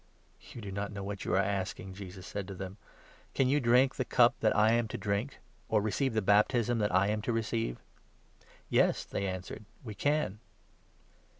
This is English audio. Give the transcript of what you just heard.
" "You do not know what you are asking," Jesus said to 38 them. "Can you drink the cup that I am to drink? or receive the baptism that I am to receive ?" "Yes," they answered, "we can."